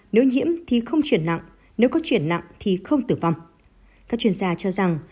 nếu nhiễm thì không chuyển nặng nếu có chuyển nặng thì không tử vong các chuyên gia cho rằng